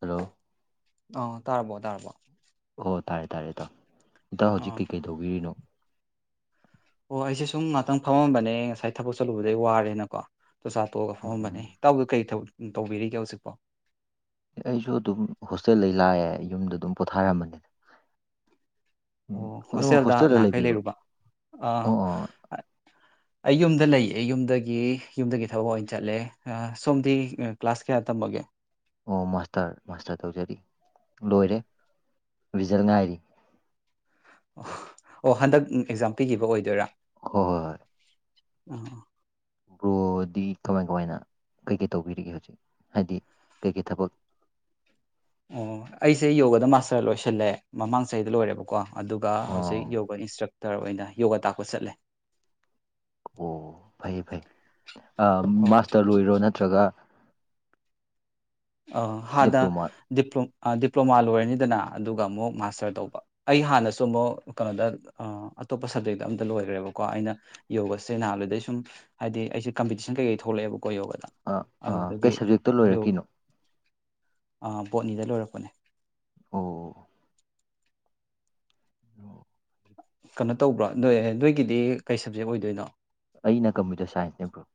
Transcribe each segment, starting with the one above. Hello ꯑꯣ ꯇꯥꯔꯕꯣ ꯇꯥꯔꯔꯕꯣ ꯑꯣ ꯇꯥꯔꯦ ꯇꯥꯔꯦ ꯏꯇꯥꯎ ꯏꯇꯥꯎ ꯍꯧꯖꯤꯛ ꯑꯥ ꯀꯩꯀꯩ ꯇꯧꯕꯤꯔꯤꯅꯣ ꯍꯣꯏ ꯑꯩꯁꯦ ꯁꯨꯝ ꯉꯍꯥꯛꯇꯪ ꯐꯝꯃꯝꯕꯅꯦ ꯉꯁꯥꯏ ꯊꯕꯛ ꯆꯠꯂꯨꯕꯗꯩ ꯋꯥꯔꯦꯅꯀꯣ ꯆꯣꯆꯥ ꯇꯣꯛꯑꯒ ꯐꯝꯃꯝꯕꯅꯦ ꯎꯝ ꯏꯇꯥꯎꯗ ꯀꯔꯤ ꯇꯧꯕꯤꯔꯤꯒꯦ ꯍꯧꯖꯤꯛꯐꯥꯎ ꯑꯩꯁꯨ ꯑꯗꯨꯝ ꯍꯣꯁꯇꯦꯜꯗ ꯂꯥꯛꯑꯦ ꯌꯨꯝꯗ ꯑꯗꯨꯝ ꯄꯣꯊꯥꯔꯝꯕꯅꯤꯗ ꯑꯣ ꯍꯣꯁꯇꯦꯜꯗ ꯅꯍꯥꯟꯈꯩ ꯂꯩꯔꯨꯕ ꯑꯥ ꯑꯣ ꯑꯣ ꯑꯩ ꯌꯨꯝꯗ ꯂꯩꯌꯦ ꯌꯨꯝꯗꯒꯤ ꯌꯨꯝꯗꯒꯤ ꯊꯕꯛ ꯑꯣꯏꯅ ꯆꯠꯂꯦ ꯁꯣꯝꯗꯤ ꯀ꯭ꯂꯥꯁ ꯀꯌꯥ ꯇꯝꯃꯒꯦ ꯑꯣ ꯃꯥꯁꯇꯔ ꯃꯥꯁꯇꯔ ꯇꯧꯖꯔꯤ ꯂꯣꯏꯔꯦ ꯔꯤꯖꯜ ꯉꯥꯏꯔꯤ ꯑꯣ ꯑꯣ ꯍꯟꯗꯛ ꯑꯦꯛꯖꯥꯝ ꯄꯤꯈꯤꯕ ꯑꯣꯏꯗꯣꯏꯔꯥ ꯍꯣꯏ ꯍꯣꯏ ꯍꯣꯏ ꯑ ꯭ꯕꯔꯣꯗꯤ ꯀꯃꯥꯏ ꯀꯃꯥꯏꯅ ꯀꯩꯀꯩ ꯇꯧꯕꯤꯔꯤꯒꯦ ꯍꯧꯖꯤꯛ ꯍꯥꯏꯗꯤ ꯀꯩꯀꯩ ꯊꯕꯛ ꯔ ꯂꯣꯏꯁꯤꯜꯂꯦ ꯃꯃꯥꯡ ꯆꯍꯤꯗ ꯂꯣꯏꯔꯦꯕꯀꯣ ꯑꯗꯨꯒ ꯑꯣ ꯍꯧꯖꯤꯛ ꯌꯣꯒ ꯏꯟꯁꯇ꯭ꯔꯛꯇꯔ ꯑꯣꯏꯅ ꯌꯣꯒꯥ ꯇꯥꯛꯄ ꯆꯠꯂꯦ ꯑꯣ ꯐꯩ ꯐꯩ ꯑꯣ ꯃꯥꯁꯇꯔ ꯂꯣꯏꯔꯣ ꯅꯠꯇ꯭ꯔꯒ ꯑ ꯍꯥꯟꯅ ꯗꯤꯄ꯭ꯂꯣꯃꯥ ꯗꯤꯄ꯭ꯂꯣꯃꯥ ꯂꯣꯏꯔꯅꯤꯗꯅ ꯑꯗꯨꯒ ꯑꯃꯨꯛ ꯃꯥꯁꯇꯔ ꯇꯧꯕ ꯑꯩ ꯍꯥꯟꯅꯁꯨ ꯑꯃꯨꯛ ꯀꯩꯅꯣꯗ ꯑꯇꯣꯞꯄ ꯁꯕꯖꯦꯛꯇ ꯑꯝꯇ ꯂꯣꯏꯈ꯭ꯔꯦꯕꯀꯣ ꯑꯩꯅ ꯌꯣꯒꯁꯦꯍꯥꯟ ꯑꯗꯨꯗꯩ ꯁꯨꯝ ꯍꯥꯏꯗꯤ ꯑꯩꯁꯦ ꯀꯝꯄꯤꯇꯤꯁꯟ ꯀꯩꯀꯩ ꯊꯣꯛꯂꯛꯑꯦꯕ ꯀꯣ ꯌꯣꯒꯗ ꯑꯥ ꯑꯥ ꯀꯩ ꯑꯗꯨꯗꯒꯤ ꯁꯕꯖꯦꯛꯇ ꯌ ꯂꯣꯏꯔꯛꯈꯤꯅꯣ ꯑꯥ ꯕꯣꯠꯅꯤꯗ ꯂꯣꯏꯔꯛꯄꯅꯦ ꯑꯣ ꯏꯑꯣ ꯀꯩꯅꯣ ꯇꯧꯕ꯭ꯔꯥ ꯅꯣꯏ ꯅꯣꯏꯒꯤꯗꯤ ꯀꯩ ꯁꯕꯖꯦꯛ ꯑꯣꯏꯗꯣꯏꯅꯣ ꯑꯩꯅ ꯀꯝꯄꯤ꯭ꯌꯨꯇꯔ ꯁꯥꯏꯟꯁ ꯅꯦ ꯕꯔꫭ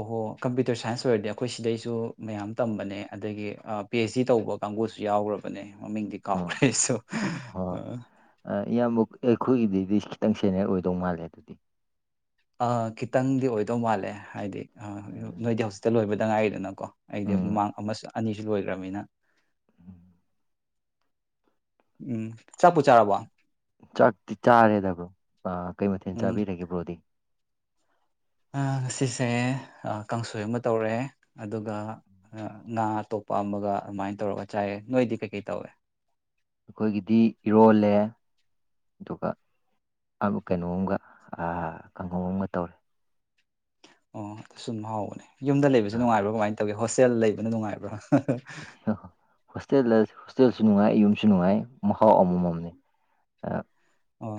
ꯑꯣꯍꯣ ꯀꯝꯄꯤ꯭ꯌꯨꯇꯔ ꯁꯥꯏꯟꯁ ꯑꯣꯏꯔꯗꯤ ꯑꯩꯈꯣꯏ ꯁꯤꯗꯩꯁꯨ ꯃꯌꯥꯝ ꯇꯝꯕꯅꯦ ꯑꯗꯒꯤ ꯑ ꯄꯤ ꯑꯩꯁ ꯗꯤ ꯇꯧꯕ ꯀꯥꯡꯕꯨꯁꯨ ꯌꯥꯎꯒ꯭ꯔꯕꯅꯦ ꯃꯃꯤꯡꯗꯤ ꯑꯥ ꯀꯥꯎꯈ꯭ꯔꯦ ꯑꯩꯁꯨ ꯍꯣꯏ ꯑ ꯑꯥ, ꯏꯌꯥꯝꯕ ꯑꯩꯈꯣꯏꯒꯤꯗꯗꯤ ꯈꯤꯇꯪ ꯁꯦꯅꯤꯌ꯭ꯔ ꯑꯣꯏꯗꯧ ꯃꯥꯜꯂꯦ ꯑꯗꯨꯗꯤ ꯑ ꯈꯤꯇꯪꯗꯤ ꯑꯣꯏꯗꯧ ꯃꯥꯜꯂꯦ ꯍꯥꯏꯗꯤ ꯑꯗꯨ ꯑꯥ, ꯅꯣꯏꯗꯤ ꯍꯧꯖꯤꯛꯇ ꯂꫭꯏꯕꯗ ꯉꯥꯏꯔꯤꯗꯅ ꯀꯣ ꯑꯩꯗꯤ ꯎꯝ ꯃꯃꯥꯡ ꯑꯃꯁꯨ ꯑꯅꯤꯁꯨ ꯂꯣꯏꯒ꯭ꯔꯕꯅꯤꯅ ꯎꯝ ꯆꯥꯛꯄꯨ ꯆꯥꯔꯕꯣ ꯆꯥꯛꯇꯤ ꯆꯥꯔꯦꯗ ꯕꯔꯣ ꯑ ꯀꯩ ꯃꯊꯦꯜ ꯆꯥꯕꯤꯔꯒꯦ ꯕꯔꯣꯗꯤ ꯑ ꯉꯁꯤꯁꯦ ꯑ ꯀꯥꯡꯁꯣꯏ ꯑꯃ ꯇꯧꯔꯦ ꯑꯗꯨꯒ ꯑ ꯉꯥ ꯑꯇꯣꯞ ꯄꯥꯝꯃꯒ ꯑꯗꯨꯃꯥꯏꯅ ꯇꯧꯔꯒ ꯆꯥꯏꯌꯦ ꯅꯣꯏꯗꯤ ꯀꯩ ꯀꯩ ꯇꯧꯔꯦ ꯑꯈꯣꯏꯒꯤꯗꯤ ꯏꯔꯣꯜꯂꯦ ꯑꯗꯨꯒ ꯑꯕꯨ ꯀꯩꯅꯣꯝꯒ ꯑ ꯀꯥꯡꯒꯧ ꯑꯃ ꯇꯧꯔꯦ ꯑꯣ ꯑꯁꯨꯝ ꯍꯥꯎꯕꯅꯦ ꯌꯨꯝꯗ ꯂꯩꯕꯖꯦ ꯑꯥ, ꯅꯨꯡꯉꯥꯏꯕ꯭ꯔꯥ ꯀꯃꯥꯏ ꯇꯧꯒꯦ ꯍꯣꯁꯇꯦꯜ ꯂꯩꯕꯅ ꯅꯨꯡꯉꯥꯏꯕ꯭ꯔꫭ ꯍꯥ ꯍꯥ ꯍꯣꯁꯇꯦꯜ ꯂꯩꯔꯁꯨꯍꯣꯁꯇꯦꯜꯁꯨ ꯅꯨꯡꯉꯥꯏ ꯌꯨꯝꯁꯨ ꯅꯨꯡꯉꯥꯏ ꯃꯍꯥꯎ ꯑꯃꯃꯝꯅꯦ ꯑ ꯍꫭꯏ ꯑꯣ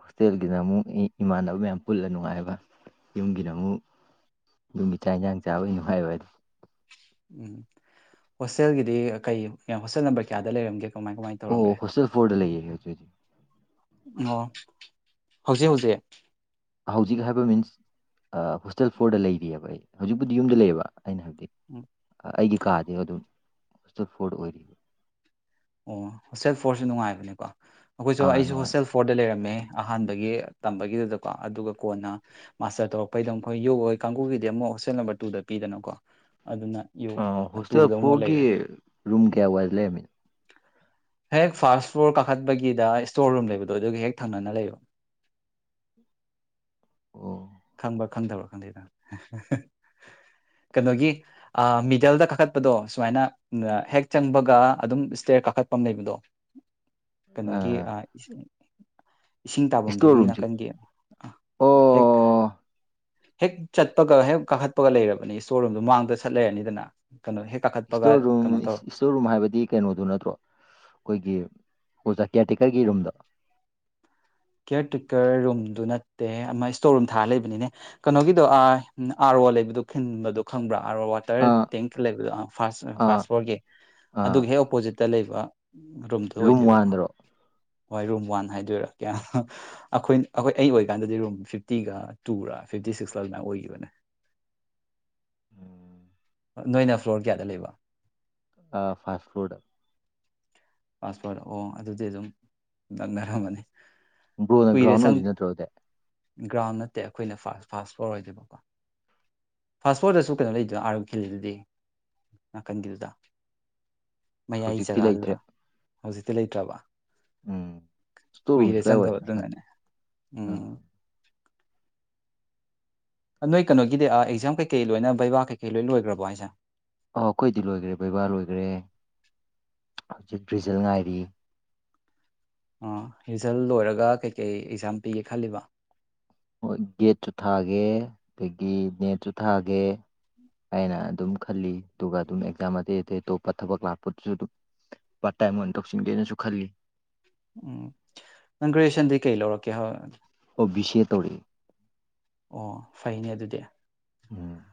ꯍꯣꯁꯇꯦꯜꯒꯤꯅ ꯑꯃꯨꯛ ꯏꯃꯥꯟꯅꯕ ꯃꯌꯥꯝ ꯄꯨꯜꯂ ꯅꯨꯡꯉꯥꯏꯕ ꯌꯨꯝꯒꯤꯅ ꯑꯃꯨꯛ ꯌꯨꯝꯒꯤ ꯆꯥꯥꯛ ꯏꯟꯖꯥꯡ ꯆꯥꯕꯒꯤ ꯅꯨꯡꯉꯥꯏꯕꯗꯤ ꯎꯝ ꯍꯣꯁꯇꯦꯜꯒꯤꯗꯤ ꯀꯩ ꯃꯤꯌꯥꯝ ꯍꯣꯁꯇꯦꯜ ꯅꯝꯕꯔ ꯀꯌꯥꯗ ꯂꯩꯔꯝꯒꯦ ꯀꯃꯥꯏ ꯀꯃꯥꯏꯅ ꯇꯧꯔꯝꯒꯦ ꯑꯣ ꯍꯣꯁꯇꯦꯜ ꯐꯣꯔꯗ ꯂꯩꯌꯦ ꯑꯗꯨꯗꯤ ꯑꯣ ꯍꯧꯖꯤꯛ ꯍꯧꯖꯤꯛ ꯍꯧꯖꯤꯛ ꯍꯥꯏꯕ ꯃꯤꯟꯁ ꯑ ꯍꯣꯁꯇꯦꯜ ꯐꯣꯔꯗ ꯂꯩꯔꯤꯌꯦꯕ ꯑꯩ ꯍꯧꯖꯤꯛꯄꯨꯗꯤ ꯌꯨꯝꯗ ꯂꯩꯌꯦꯕ ꯑꯩꯅ ꯍꯥꯏꯕꯗꯤ ꯎꯝ ꯑꯩꯒꯤ ꯀꯥꯗꯤ ꯑꯗꯨꯝ ꯍꯣꯁꯇꯦꯜ ꯐꯣꯔꯗ ꯑꯣꯏꯔꯤꯕ ꯑꯣ ꯍꯣꯁꯇꯦꯜ ꯐꯣꯔꯁꯨ ꯅꯨꯡꯉꯥꯏꯕꯅꯦꯀꯣ ꯑꯈꯣꯏꯁꯨ ꯑꯥ ꯑꯩꯁꯨ ꯅꯨꯡꯉꯥꯏ ꯍꯣꯁꯇꯦꯜ ꯐꯣꯔꯗ ꯂꯩꯔꯝꯃꯦ ꯑꯍꯥꯟꯕꯒꯤ ꯇꯝꯕꯒꯤꯗꯨꯗꯀꯣ ꯑꯗꯨꯒ ꯀꯣꯟꯅ ꯃꯥꯁꯇꯔ ꯇꯧꯔꯛꯄꯩꯗ ꯑꯃꯨꯛ ꯃꯈꯣꯏ ꯌꯨ‌ ꯍꫭꯏ ꯀꯥꯡꯒꯨꯒꯤꯗꯤ ꯑꯃꯨꯛ ꯍꯣꯁꯇꯦꯜ ꯅꯝꯕꯔ ꯇꯨꯗ ꯄꯤꯗꯅꯀꯣ ꯑꯗꯨꯅ ꯌꯨ ꯑ ꯍꯣꯁꯇꯦꯜ ꯇꯨꯗꯃꯨꯛ ꯐꯣꯔꯒꯤ ꯂꯩꯔꯦ ꯔꯨꯝ ꯎꯝ ꯀꯌꯥ ꯋꯥꯏꯗ ꯂꯩꯔꯝꯃꯤꯅꯣ ꯍꯦꯛ ꯐꯥꯁ ꯐ꯭ꯂꯣꯔ ꯀꯥꯈꯠꯄꯒꯤꯗ ꯏꯁꯇꯣꯔ ꯔꯨꯝ ꯂꯩꯕꯗꯣ ꯑꯗꯨꯒꯤ ꯍꯦꯛ ꯊꯪꯅꯅ ꯂꯩꯌꯦꯕ ꯎꯝ ꯈꯪꯕ꯭ꯔ ꯈꯪꯗꯕ꯭ꯔꯥ ꯈꯪꯗꯦꯗ ꯍꯥ ꯍꯥ ꯍꯥ ꯀꯩꯅꯣꯒꯤ ꯑ ꯃꯤꯗꯜꯗ ꯀꯥꯈꯠꯄꯗꯣ ꯁꯨꯃꯥꯏꯅ ꯑ ꯍꯦꯛ ꯆꯪꯕꯒ ꯑꯗꯨꯝ ꯏꯁꯇꯦꯔ ꯀꯥꯈꯠꯄꯝ ꯂꯩꯕꯗꯣ ꯀꯩꯅꯣꯒꯤ ꯑ ꯏꯁꯤꯡ ꯏꯁꯇꯣꯔ ꯇꯥꯕꯝꯗꯨꯒꯤ ꯔꯨꯝꯁꯤ ꯅꯥꯀꯟꯒꯤ ꯑ ꯍꯦꯛ ꯑꯣ ꯍꯦꯛ ꯆꯠꯄꯒ ꯍꯦꯛ ꯀꯥꯈꯠꯄꯒ ꯂꯩꯔꯕꯅꯤ ꯏꯁꯇꯣꯔ ꯔꯨꯝꯗꯣ ꯃꯥꯡꯗ ꯁꯠ ꯂꯩꯔꯅꯤꯗꯅ ꯀꯩꯅꯣ ꯍꯦꯛ ꯀꯥꯈꯠꯄꯒ ꯏꯁꯇꯣꯔ ꯔꯨꯝ ꯀꯩꯅꯣ ꯇꯧꯔꯣ ꯏꯁꯇꯣꯔ ꯔꯨꯝ ꯍꯥꯏꯕꯗꯤ ꯀꯩꯅꯣꯗꯨ ꯅꯠꯇ꯭ꯔꯣ ꯑꯈꯣꯏꯒꯤ ꯑꯣꯖꯥ ꯀꯤꯌ꯭ꯔ ꯇꯦꯛꯀꯔꯒꯤ ꯔꯨꯝꯗꫭ ꯀꯤꯌ꯭ꯔ ꯇꯦꯀꯔ ꯔꯨꯝꯗꯨ ꯅꯠꯇꯦ ꯑꯃ ꯏꯁꯇꯣꯔ ꯔꯨꯝ ꯊꯥꯔ ꯂꯩꯕꯅꯤꯅꯦ ꯀꯩꯅꯣꯒꯤꯗꯣꯥ ꯑꯥꯏ ꯎꯝ ꯑꯥ ꯔꫭ ꯔꯣ ꯂꯩꯕꯗꯨ ꯈꯪꯕꯗꯨ ꯈꯪꯕ꯭ꯔꯥ ꯑꯥꯔꫭ ꯋꯥꯇꯔ ꯑꯥ ꯇꯦꯡ ꯂꯩꯕꯗꯣ ꯑ ꯐꯥꯁ ꯑ ꯑꯥ ꯐꯥꯁ ꯐ꯭ꯂꯣꯔꯒꯤ ꯑꯥ ꯑꯗꯨꯒꯤ ꯍꯦꯛ ꯑꯣꯄꯣꯖꯤꯠꯇ ꯂꯩꯕ ꯔꯨꯝꯗꫭ ꯔꯨꯝ ꯑꯣꯏꯗꯣꯏꯕꯀꯣ ꯋꯥꯟꯗꯔꯣ ꯍꯣꯏ ꯔꯨꯝ ꯋꯥꯟ ꯍꯥꯏꯗꯣꯏꯔꯥ ꯀꯌꯥ ꯑꯍꯥ ꯑꯈꯣꯏ ꯑꯈꯣꯏ ꯑꯩ ꯑꯣꯏꯔꯤꯀꯥꯟꯗꯗꯤ ꯔꯨꯝ ꯐꯤꯞꯇꯤꯒ ꯇꯨ ꯔꯥ ꯐꯤꯞꯇꯤ ꯁꯤꯛꯁꯂ ꯑꯗꯨꯃꯥꯏ ꯑꯣꯏꯈꯤꯕꯅꯦ ꯎꯝ ꯑ ꯅꯣꯏꯅ ꯐ꯭ꯂꯣꯔ ꯀꯌꯥꯗ ꯂꯩꯕ ꯑ ꯐꯥꯁ ꯐ꯭ꯂꫭꯔꯗ ꯐꯥꯁ ꯐꯂꫭ꯭ꯔꯗ ꯑꯣ ꯑꯗꯨꯗꯤ ꯑꯗꯨꯝ ꯅꯛꯅꯔꯝꯃꯅꯤ ꯕ꯭ꯔꯣꯅ ꯀꯨꯏꯔꯦ ꯒ꯭ꯔꯥꯎꯟ ꯁꯪ ꯑꯣꯏꯗꫭꯏ ꯅꯠꯇ꯭ꯔꫭ ꯑꯗꯨꯗꯤ ꯒ꯭ꯔꯥꯎꯟ ꯅꯠꯇꯦ ꯑꯩꯈꯣꯏꯅ ꯐꯥꯁ ꯐꯥꯁ ꯐꯂꫭ꯭ꯔ ꯑꯣꯏꯗꯨꯏꯕꯀꯣ ꯐꯥꯁ ꯐꯣꯔꯗꯁꯨ ꯀꯩꯅꯣ ꯂꯩꯗꯅ ꯑꯥ ꯔꫭ ꯈꯤꯜꯂꯤꯗꯨꯗꯤ ꯅꯥꯀꯟꯒꯤꯗꯨꯗ ꯃ ꯌꯥꯏ ꯍꯧꯖꯤꯛꯇꯤ ꯆꯒꯒꯥꯗꯗ ꯂꯩꯇ꯭ꯔꯦ ꯍꯧꯖꯤꯛꯇꯤ ꯂꯩꯇ꯭ꯔꯕ ꯎꯝ ꯏꯁꯇꯣꯔ ꯀꯨꯏꯔꯦ ꯔꯨꯝꯁꯤ ꯀꯥꯏꯋꯥꯏꯗꯅꯣ ꯈꯪꯗꯦ ꯆꯪꯗꯕꯗꯨꯅꯅꯦ ꯎꯝ ꯑꯥ ꯅꯣꯏ ꯀꯩꯅꯣꯒꯤꯗꯤ ꯑꯦꯛꯖꯥꯝ ꯀꯩꯀꯩ ꯂꯣꯏꯅ ꯕꯩꯕꯥ ꯀꯩꯀꯩ ꯂꯣꯏ ꯂꯣꯏꯈ꯭ꯔꯕꯣ ꯍꯥꯏꯁꯦ ꯑꯣ ꯑꯩꯈꯣꯏꯗꯤ ꯂꯣꯏꯈ꯭ꯔꯦ ꯕꯩꯕꯥ ꯂꯣꯏꯈ꯭ꯔꯦ ꯍꯧꯖꯤꯛ ꯕ꯭ꯔꯤꯖꯜ ꯉꯥꯏꯔꯤ ꯑꯥ ꯔꯤꯖꯜ ꯂꯣꯏꯔꯒ ꯀꯩꯀꯩ ꯑꯦꯛꯖꯥꯝ ꯄꯤꯒꯦ ꯈꯜꯂꯤꯕ ꯒꯦꯠꯁꯨ ꯊꯥꯒꯦ ꯑꯗꯒꯤ ꯅꯦꯠꯁꯨ ꯊꯥꯒꯦ ꯑꯩꯅ ꯑꯗꯨꯝ ꯈꯜꯂꯤ ꯑꯗꯨꯒ ꯑꯗꯨꯝ ꯑꯦꯛꯖꯥꯝ ꯑꯇꯩ ꯑꯇꯩ ꯑꯇꯣꯞꯄ ꯊꯕꯛ ꯂꯥꯛꯄꯗꯨꯁꯨ ꯑꯗꯨꯝ ꯄꯇꯥꯏꯃꯣꯟ ꯇꯧꯁꯤꯟꯒꯦꯅꯁꯨ ꯈꯜꯂꯤ ꯎꯝ ꯅꯪ ꯒ꯭ꯔꯦꯖꯌꯦꯁꯟꯗꯤ ꯀꯩ ꯂꯧꯔꯛꯀꯦ ꯑꯣ ꯁꯤꯦ ꯇꯔꯤ ꯑꯣ ꯐꯩꯅꯦ ꯑꯗꯨꯗꯤ ꯎꯝ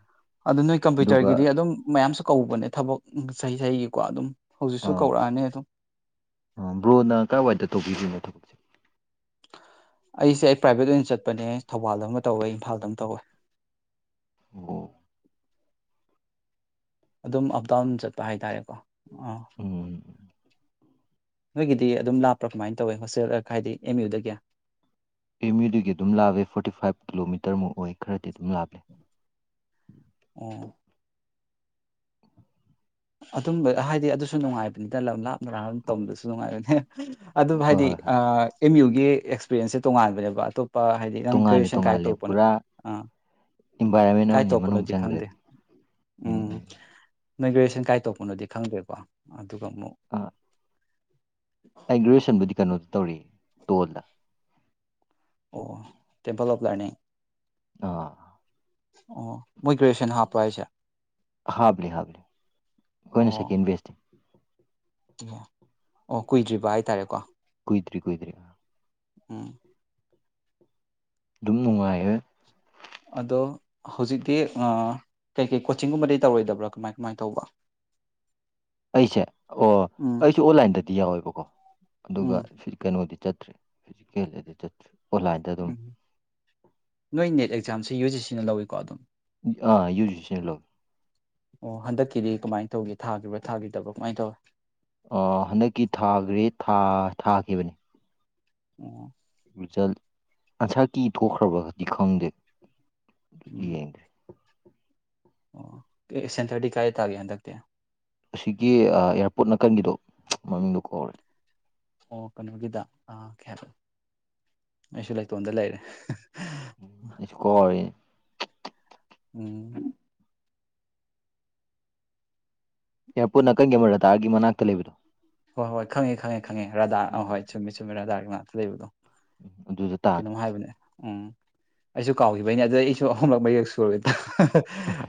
ꯑꯗꯨ ꯅꯣꯏ ꯑꯗꯨꯒ ꯀꯝꯄ꯭ꯌꯨꯇꯔꯒꯤꯗꯤ ꯑꯗꯨꯝ ꯃꯌꯥꯝꯁꯨ ꯀꯧꯕꯅꯦ ꯊꯕꯛ ꯆꯍꯤ ꯆꯍꯤꯒꯤꯀꯣ ꯑꯗꯨꯝ ꯍꯧꯖꯤꯛꯁꯨ ꯑꯥ ꯀꯧꯔꯛꯑꯅꯤ ꯑꯗꯨꯝ ꯑ ꯕ꯭ꯔꯣꯅ ꯀꯥꯏꯋꯥꯏꯗ ꯇꯧꯕꯤꯔꯤꯅꯣ ꯊꯕꯛꯁꯦ ꯑꯩꯁꯦ ꯑꯩ ꯄ꯭ꯔꯥꯏꯚꯦꯠ ꯑꯣꯏꯅ ꯆꯠꯄꯅꯦ ꯊꯧꯕꯥꯜꯗ ꯑꯃ ꯇꯧꯋꯦ ꯏꯝꯐꯥꯜꯗ ꯑꯃ ꯇꯧꯋꯦ ꯑꯣ ꯑꯗꯨꯝ ꯑꯞ ꯗꯥꯎꯟ ꯆꯠꯄ ꯍꯥꯏꯇꯥꯔꯦꯀꯣ ꯑꯥ ꯎꯝ ꯅꯣꯏꯒꯤꯗꯤ ꯑꯗꯨꯝ ꯂꯥꯞꯄ꯭ꯔꯥ ꯀꯃꯥꯏꯅ ꯇꯧꯋꯦ ꯍꯣꯁꯇꯦꯜ ꯍꯥꯏꯗꯤ ꯑꯦꯝ ꯌꯨꯗꯒꯤ ꯑꯦꯝ ꯌꯨꯗꯨꯒꯤ ꯑꯗꯨꯝ ꯂꯥꯞꯂꯦ ꯐꯣꯔꯇꯤ ꯐꯥꯏꯚ ꯀꯤꯂꯣꯃꯤꯇꯔꯃꯨꯛ ꯑꯣꯏ ꯈꯔꯗꯤ ꯑꯗꯨꯝ ꯂꯥꯞꯂꯦ [inaudible] ꯑꯣ ꯑꯗꯨꯝꯕ ꯍꯥꯏꯗꯤ ꯑꯗꯨꯁꯨ ꯅꯨꯡꯉꯥꯏꯕꯅꯤꯗ ꯂꯝ ꯂꯥꯞꯅ ꯂꯥꯞ ꯇꯧꯕꯗꯨꯁꯨ ꯅꯨꯡꯉꯥꯏꯕꯅꯤ ꯑꯗꯨꯕꯨ ꯍꯣꯏ ꯍꯥꯏꯗꯤ ꯍꯣꯏ ꯍꯣꯏ ꯑꯦꯝ ꯌꯨꯒꯤ ꯑꯦꯛꯁꯄꯤꯔꯦꯟꯁꯁꯦ ꯇꯣꯉꯥꯟꯕꯅꯦꯕ ꯑꯇꯣꯞꯄ ꯍꯥꯏꯗꯤ ꯅꯪ ꯇꯣꯡꯉꯥꯜꯂꯦ ꯀꯁꯟ ꯀꯥꯏ ꯇꯣꯡꯉꯥꯜꯂꯦ ꯇꯄꯅꯦ ꯄꯨꯔꯥ ꯑ ꯏꯟꯚꯥꯏꯔꯣꯟꯃꯦꯟ ꯑꯃꯅꯤ ꯃꯅꯨꯡ ꯆꯪꯈ꯭ꯔꯗꯤ ꯎꯝ ꯅꯣꯏ ꯒ꯭ꯔꯦꯌꯦꯁꯟ ꯀꯥꯏ ꯇꯧꯄꯅꯣꯗꯤ ꯈꯪꯗ꯭ꯔꯦꯀꯣ ꯑꯗꯨꯒ ꯑꯃꯨꯛ ꯑ ꯑꯩ ꯒ꯭ꯔꯦꯦꯁꯟꯕꯨꯗꯤ ꯀꯩꯅꯣꯗ ꯇꯧꯔꯤ ꯇꯣꯜꯗ ꯑꯣ ꯇꯦꯝꯄꯜ ꯑꯣꯐ ꯂꯔꯅꯤꯡ ꯑꯥ ꯑꯣ ꯃꯣꯏ ꯭ꯔꯦꯖꯨꯌꯦꯁꯟ ꯍꯥꯔꯄꯁꯦ ꯍꯥꯥꯎꯕ ꯍꯥꯕ ꯀꯣꯏꯅ ꯑꯣ ꯁꯀꯤ ꯏꯟꯚꯦꯁ ꯑꯣ ꯀꯨꯏꯗ꯭ꯔꯤꯕ ꯍꯥꯏꯇꯥꯔꯦꯀꯣ ꯀꯨꯣꯏꯗ꯭ꯔꯤ ꯀꯣꯏꯗ꯭ꯔꯤ ꯎꯝ ꯑꯗꯨꯝ ꯅꯨꯡꯉꯥꯏ ꯑꯗꯣ ꯍꯧꯖꯤꯛꯇꯤ ꯀꯩꯀꯩ ꯀꯣꯆꯤꯡꯒꯨꯝꯕꯗꯤ ꯇꯧꯔꯣꯏꯗꯕ꯭ꯔꯥ ꯀꯃꯥꯏ ꯀꯃꯥꯏ ꯇꯧꯕ [inaudible] ꯑꯩꯁꯦ ꯑꯣ ꯎꯝ ꯑꯩꯁꯨꯦ ꯑꯣꯟꯂꯥꯏꯟꯗꯗꯤ ꯌꯥꯎꯋꯦꯕꯀꯣ ꯑꯗꯨꯒ ꯎꯝ ꯁꯤ ꯀꯩꯅꯣꯗꯤ ꯆꯠꯇ꯭ꯔꯦ ꯐꯤꯖꯤꯀꯦꯜꯗꯗꯤ ꯆꯠꯇ ꯎꯝ ꯅꯣꯏ ꯅꯦꯠ ꯑꯦꯛꯖꯥꯝꯁꯦ ꯌꯨ ꯖꯤ ꯁꯤꯅ ꯂꯧꯋꯤꯀꯣ ꯑꯗꯨꯝ ꯑꯥ ꯌꯨꯖꯤꯁꯂꯣ ꯑꯣ ꯍꯟꯗꯛꯀꯤꯗꯤ ꯀꯃꯥꯏꯅ ꯇꯧꯒꯦ ꯊꯥꯈꯤꯕꯔꯤꯕ꯭ꯔꯥ ꯊꯥꯈꯤꯗꯕ ꯀꯃꯥꯏꯅ ꯇꯧꯏꯤ ꯑ ꯍꯟꯗꯛꯀꯤ ꯊꯥꯈ꯭ꯔꯦ ꯊꯥꯈꯤꯕꯅꯤ ꯑꯣꯝ ꯔꯤꯖꯜ ꯑꯟꯁꯥꯔ ꯀꯤ ꯊꯣꯛꯈ꯭ꯔꯕꯒꯗꯤ ꯈꯪꯗꯦ ꯎꯝ ꯗ꯭ꯔ ꯑꯣ ꯑꯦ ꯁꯦꯟꯊꯔꯗꯤ ꯀꯥꯏ ꯇꯥꯒꯦ ꯍꯟꯗꯛꯇꯤ ꯑꯁꯤꯒꯤ ꯑꯦꯌꯥꯔꯄꯣꯔꯠ ꯅꯥꯀꯟꯒꯤꯗꯣ ꯃꯃꯤꯡꯗꯣ ꯀꯧꯔꯦ ꯑꯣ ꯀꯩꯅꯣꯒꯤꯗ ꯑꯥ ꯍꯥꯏ ꯑꯩꯁꯨ ꯂꯩꯇꯣꯟꯗ ꯂꯩꯔꯦ ꯍꯣꯏ꯫ ꯎꯝ ꯏꯌꯥꯔꯄꯣꯔꯠ ꯅꯥꯀꯟꯒꯤ ꯑꯃꯔꯇꯥꯒꯤ ꯃꯅꯥꯛꯇ ꯂꯩꯕꯅꯣ ꯍꯣꯏ ꯍꯣꯏ ꯈꯪꯉꯦ ꯈꯪꯉꯦ ꯈꯪꯉꯦ ꯔꯙꯥ ꯑꯍ ꯍꯣꯏ ꯆꯨꯝꯃꯤ ꯆꯨꯝꯃꯤ ꯔꯥꯙꯥꯒꯤ ꯉꯥꯛꯇ ꯂꯩꯕꯗꯣ ꯑꯗꯨꯗ ꯇꯥꯈꯤ ꯀꯩꯅꯣꯃ ꯍꯥꯏꯕꯅꯦ ꯎꯝ ꯑꯩꯁꯨ ꯀꯥꯎꯈꯤꯕꯩꯅꯦ ꯑꯗꯨ ꯑꯩꯁꯨ ꯑꯍꯨꯝꯂꯛ ꯃꯌꯦꯛ ꯁꯨꯔꯦ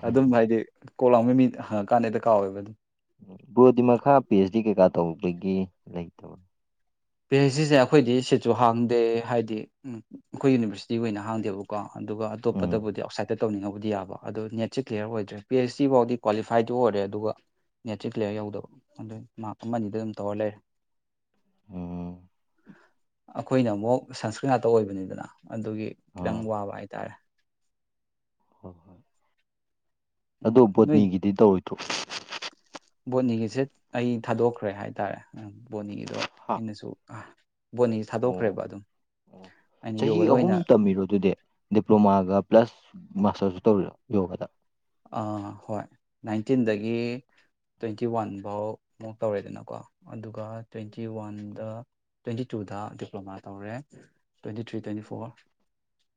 ꯑꯗꯨꯝ ꯎꯝ ꯍꯥꯏꯗꯤ ꯀꯣꯛ ꯂꯥꯡꯕ ꯃꯤ ꯀꯥꯟꯅꯩꯗ ꯀꯥꯎꯋꯦꯕ ꯑꯗꯨꯝ ꯕꯣꯔꯗꯤ ꯃꯈꯥ ꯄꯤ ꯑꯩꯆ ꯗꯤ ꯀꯩꯀꯥ ꯇꯧꯕꯒꯤ ꯂꯩꯇꯕ ꯄꯤ ꯑꯩꯩꯆ ꯁꯤꯁꯦ ꯑꯩꯈꯣꯏꯗꯤ ꯁꯤꯠꯁꯨ ꯍꯥꯡꯗꯦ ꯍꯥꯏꯗꯤ ꯑꯩꯈꯣꯏ ꯌꯨꯅꯤꯚꯔꯁꯤꯇꯤꯒꯤ ꯑꯣꯏꯅ ꯍꯥꯡꯗꯦꯕꯀꯣ ꯑꯗꯨꯒ ꯎꯝ ꯑꯇꯣꯞꯄꯗꯕꯨꯗꯤ ꯑꯥꯎꯁꯥꯏꯠꯇ ꯇꯧꯅꯤꯡꯉꯕꯗꯤ ꯌꯥꯕ ꯑꯗꯣ ꯅꯦꯠꯁꯦ ꯀ꯭ꯂꯤꯌꯥꯔ ꯑꯣꯏꯗ꯭ꯔꯦ ꯄꯤ ꯑꯩꯆ ꯗꯤ ꯐꯥꯎꯗꯤ ꯀ꯭ꯋꯥꯂꯤꯐꯥꯏꯗꯨ ꯑꯣꯏꯔꯦ ꯑꯗꯨꯒ ꯅꯦꯠ꯭ꯔꯤꯛ ꯀꯦꯌꯔ ꯌꯧꯗꯕ ꯑꯗꯨ ꯃꯥ ꯑꯃꯅꯤ ꯑꯅꯤꯗ ꯑꯗꯨꯝ ꯇꯧꯔ ꯂꯩꯔꯦ ꯎꯝ ꯑꯩꯈꯣꯏꯅ ꯑꯃꯨꯛ ꯁꯪꯁꯀ꯭ꯔꯤꯠ ꯉꯥꯛꯇ ꯑꯣꯏꯕꯅꯤꯗꯅ ꯑꯗꯨꯒꯤ ꯈꯤꯇꯪ ꯑꯥ ꯋꯥꯕ ꯍꯥꯏꯇꯥꯔꯦ ꯍꯣꯏ ꯍꯣꯏ ꯎꯝ ꯑꯗꯨꯣ ꯅꯣꯏ ꯕꯣꯠꯅꯤꯒꯤꯗꯤ ꯇꯧꯔꯣꯏ ꯊꯣꯛ ꯕꯣꯅꯤꯒꯤꯁꯦ ꯑꯩ ꯊꯥꯗꯣꯛꯈ꯭ꯔꯦ ꯍꯥꯏꯇꯥꯔꯦ ꯕꯣꯅꯤꯒꯤꯗꯣ ꯍꯥ ꯑꯩꯅꯁꯨ ꯕꯣꯅꯤꯁꯦ ꯑꯣ ꯊꯥꯗꯣꯛꯈ꯭ꯔꯦꯕ ꯑꯗꯨꯝ ꯑꯣ ꯑꯩꯅ ꯆꯍꯤ ꯌꯣꯒꯗ ꯑꯍꯨꯝ ꯑꯣꯏꯅ ꯇꯝꯕꯤꯔꯣ ꯑꯗꯨꯗꯤ ꯗꯤꯄ꯭ꯂꯣꯃꯥꯒ ꯄ꯭ꯂꯁ ꯃꯥꯁꯇꯔꯁꯨ ꯇꯧꯔꯤ ꯌꯣꯒꯗ ꯑꯥ ꯍꯣꯏ ꯅꯥꯏꯟꯇꯤꯟꯗꯒꯤ ꯇ꯭ꯋꯦꯟꯇꯤ ꯋꯥꯟ ꯐꯥꯎ ꯃꯨꯛ ꯇꯧꯔꯦꯗꯅꯀꯣ ꯑꯗꯨꯒ ꯇ꯭ꯋꯦꯟꯇꯤ ꯋꯥꯟꯗ ꯇ꯭ꯋꯦꯟꯇꯤ ꯇꯨꯗ ꯗꯤꯄ꯭ꯂꯣꯃꯥ ꯇꯧꯔꯦ twenty three twenty four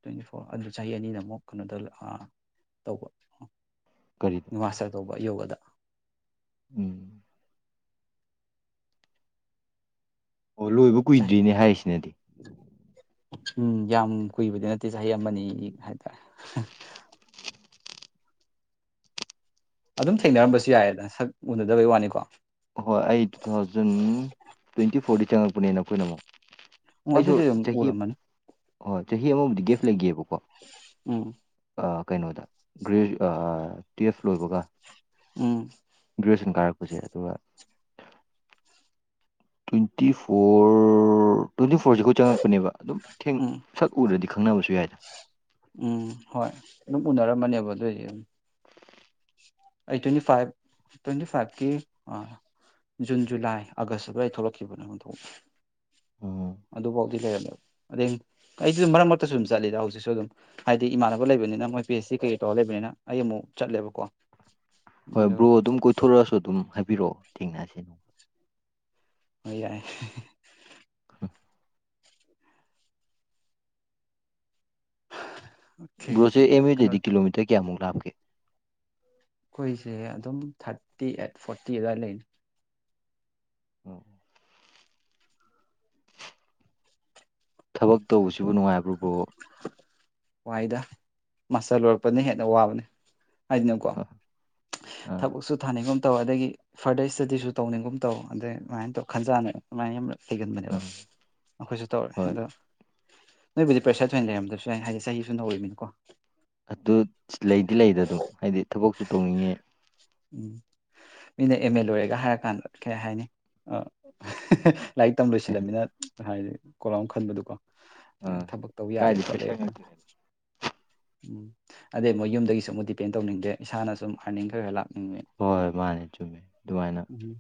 twenty four ꯑꯗꯨ ꯆꯍꯤ ꯑꯅꯤꯗ ꯑꯃꯨꯛ ꯀꯩꯅꯣꯗ ꯑꯥ ꯇꯧꯕ ꯀꯔꯤꯗ ꯃꯁꯇꯦꯔ ꯇꯧꯕ ꯌꯧꯕꯗ ꯎꯝ ꯑꯣ ꯂꯣꯏꯕ ꯆꯥꯏ ꯀꯨꯏꯗ꯭ꯔꯤꯅꯦ ꯍꯥꯏꯔꯤꯁꯤꯅꯗꯤ ꯎꯝ ꯌꯥꯝ ꯀꯨꯏꯕꯗꯤ ꯅꯠꯇꯦ ꯆꯍꯤ ꯑꯃꯅꯤ ꯍꯥꯏꯇꯥꯔꯦ ꯑꯗꯨꯝ ꯊꯦꯡꯅꯔꯝꯕꯁꯨ ꯌꯥꯏꯌꯦꯗ ꯁꯛ ꯎꯅꯗꯕꯩ ꯋꯥꯅꯤꯀꯣ ꯍꯣꯏ ꯑꯩ ꯇꯨ ꯊꯥꯎꯖꯟ ꯇ꯭ꯋꯦꯟꯇꯤ ꯐꯣꯔꯗ ꯆꯪꯉꯛꯄꯅꯦꯅ ꯑꯩꯈꯣꯏꯅ ꯑꯃꯨꯛ ꯎ ꯑꯗꯨꯗꯤ ꯑꯗꯨ ꯎꯔꯝꯕꯅꯤ ꯍ ꯆꯍꯤ ꯑꯃꯗꯤ ꯒꯤꯐ ꯂꯩꯒꯦꯕꯣ ꯎꯝ ꯀꯩꯅꯣꯗ ꯒ꯭ꯔꯦꯖ ꯇꯨꯌꯦꯐ ꯂꯣꯏꯕꯒ ꯎꯝ ꯒ꯭ꯔꯦꯖꯨꯌꯦꯁꯟ ꯀꯥꯔꯄꯁꯦ ꯑꯗꯨꯒ ꯇ꯭ꯋꯦꯟꯇꯤ ꯐꯣꯔ ꯇ꯭ꯋꯦꯟꯇꯤ ꯐꯣꯔꯁꯦ ꯑꯩꯈꯣꯏ ꯆꯪꯉꯛꯄꯅꯦꯕ ꯑꯗꯨꯝꯦꯡ ꯎꯝ ꯁꯛꯎꯔꯗꯤ ꯈꯪꯅꯕꯁꯨ ꯌꯥꯏꯗ ꯎꯝ ꯍꯣꯏ ꯑꯗꯨꯝ ꯎꯅꯔꯝꯕꯅꯦꯕ ꯑꯗꯨꯑꯣꯏꯗꯤ ꯑꯗꯨꯝ ꯑꯩ ꯇ꯭ꯋꯦꯟꯇꯤ ꯐꯥꯏꯚ ꯇ꯭ꯋꯦꯟꯇꯤ ꯐꯥꯏꯚꯀꯤ ꯑ ꯖꯨꯟ ꯖꯨꯂꯥꯏ ꯑꯥꯒꯁꯇꯨ ꯑꯗꯨ ꯑꯩ ꯊꯣꯛꯂꯛꯈꯤꯕꯅꯦ ꯎꯝ ꯑꯗꯨꯐꯥꯎꯗꯤ ꯂꯩꯔꯝꯃꯦꯕ ꯑꯗ ꯑꯩꯁꯨ ꯑꯗꯨꯝ ꯃꯔꯛ ꯃꯔꯛꯇꯁꯨ ꯑꯗꯨꯝ ꯆꯠꯂꯤꯗ ꯍꯧꯖꯤꯛꯁꯨ ꯑꯗꯨꯝ ꯍꯥꯏꯗꯤ ꯏꯃꯥꯟꯅꯕ ꯂꯩꯕꯅꯤꯅ ꯃꯣꯏ ꯄꯤ ꯑꯦꯆ ꯁꯤ ꯀꯩ ꯇꯧꯍꯂꯒꯦ ꯂꯩꯕꯅꯤꯅ ꯑꯩ ꯑꯃꯨꯛ ꯆꯠꯂꯦꯕꯀꯣ ꯍꯣꯏ ꯑꯗꯣ ꯕ꯭ꯔꯣ ꯑꯗꯨꯝ ꯀꯣꯏꯊꯣꯔꯛꯑꯁꯨ ꯑꯗꯨꯝ ꯍꯥꯏꯕꯤꯔꯛꯑꯣ ꯊꯦꯡꯅꯔꯁꯦ ꯑꯣꯏ ꯌꯥꯏ [inaudible] ꯕ꯭ꯔꯣꯁꯦ ꯑꯦꯝ ꯑꯦ ꯀꯩꯅꯣ ꯗꯗꯤ ꯀꯤꯂꯣꯃꯤꯇꯔ ꯀꯌꯥꯃꯨꯛ ꯂꯥꯞꯒꯦ ꯑꯩꯈꯣꯏꯁꯦ ꯑꯗꯨꯝ ꯊꯥꯔꯇꯤ ꯑꯦꯠ ꯐꯣꯔꯇꯤ ꯑꯗꯨꯋꯥꯏ ꯂꯩꯅꯤ ꯎꯝ ꯊꯕꯛ ꯇꯧꯕꯁꯤꯕꯨ ꯅꯨꯡꯉꯥꯏꯕ꯭ꯔꯕ꯭ꯔꯣ ꯋꯥꯏꯗ ꯃꯁꯜ ꯂꯣꯏꯔꯛꯄꯅ ꯍꯦꯟꯅ ꯋꯥꯕꯅꯦ ꯍꯥꯏꯗꯅꯀꯣ ꯑꯥ ꯊꯕꯛꯁꯨ ꯊꯥꯅꯤꯡꯒꯨꯝ ꯇꯧ ꯑꯗꯒꯤ ꯐꯔꯗꯔ ꯏꯁꯇꯗꯤꯁꯨ ꯇꯧꯅꯤꯡꯒꯨꯝ ꯇꯧ ꯑꯗꯩ ꯑꯗꯨꯃꯥꯏꯅ ꯇꯧ ꯈꯟꯖꯥꯅ ꯑꯗꯨꯃꯥꯏꯅ ꯍꯩꯒꯟꯕꯅꯦꯕ ꯎꯝ ꯑꯩꯈꯣꯏꯁꯨ ꯇꯧꯔꯦ ꯍꯣꯏ ꯑꯗꯣ ꯅꯣꯏꯕꯨꯗꯤ ꯄ꯭ꯔꯦꯁꯔ ꯊꯣꯏꯅ ꯂꯩꯔꯝꯗꯁꯨ ꯍꯥꯏꯗꯤ ꯆꯍꯤꯁꯨ ꯅꯧꯔꯤꯕꯅꯤꯀꯣ ꯑꯗꯨ ꯂꯩꯗꯤ ꯂꯩꯗ ꯑꯗꯨꯝ ꯍꯥꯏꯗꯤ ꯊꯕꯛꯁꯨ ꯇꯧꯅꯤꯡꯉꯦ ꯎꯝ ꯃꯤꯅ ꯑꯦꯝ ꯑꯦ ꯂꯣꯏꯔꯒ ꯍꯥꯏꯔꯀꯥꯟꯗ ꯀꯩ ꯍꯥꯏꯅꯤ ꯑ ꯂꯥꯏꯔꯤꯛ ꯇꯝ ꯂꯣꯏꯁꯤꯜꯂꯝꯃꯤꯅ ꯍꯥꯏꯗꯤ ꯀꯣꯂꯥꯝ ꯈꯟꯕꯗꯨꯀꯣ ꯑꯥ ꯊꯕꯛ ꯇꯧꯕ ꯌꯥꯔꯦ ꯀꯥꯏꯗꯤ ꯈꯣꯠꯂꯦ ꯄꯩꯁꯥ ꯈ ꯉꯥꯛꯇꯅꯦ ꯎꯝ ꯑꯗꯩ ꯃꯣꯏ ꯌꯨꯝꯗꯒꯤꯁꯨ ꯑꯃꯨꯛ ꯗꯤꯄꯦꯟ ꯇꯧꯅꯤꯡꯗꯦ ꯏꯁꯥꯅ ꯁꯨꯝ ꯍꯥꯏꯅꯤꯡꯈꯩ ꯈꯔ ꯂꯥ ꯍꯣꯏ ꯍꯣꯏ ꯃꯥꯅꯦ ꯆꯨꯝꯃꯦ ꯑꯗꯨꯃꯥꯏꯅ ꯎꯝ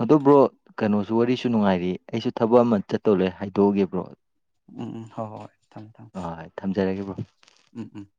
ꯑꯗꯨ ꯕ꯭ꯔꯣ ꯀꯩꯅꯣꯁꯨ ꯋꯥꯔꯤꯁꯨ ꯅꯨꯡꯉꯥꯏꯔꯤ ꯑꯩꯁꯨ ꯊꯕꯛ ꯑꯃ ꯆꯠꯇꯧꯂꯦ ꯍꯥꯏꯗꯣꯛꯑꯒꯦꯕ꯭ꯔꯣ ꯎꯝ ꯍꯣꯏ ꯍꯣꯏ ꯊꯝꯃꯦ ꯊꯝꯃꯦ ꯖꯔꯒꯕꯣ ꯎꯝ ꯎꯝ